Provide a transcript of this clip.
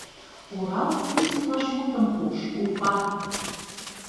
«Урал» писын вашмутым пуыш: «Уфа!